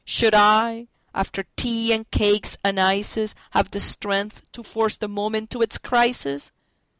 Should I, after tea and cakes and ices, Have the strength to force the moment to its crisis?